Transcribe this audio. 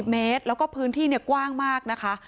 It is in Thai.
เมตรแล้วก็พื้นที่กว้างมากนะคะ